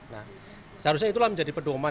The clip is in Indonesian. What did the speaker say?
nah seharusnya itulah menjadi pedoman